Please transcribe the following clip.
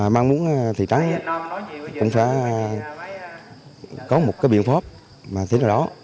mong muốn thị trấn cũng sẽ có một cái biện pháp mà thế nào đó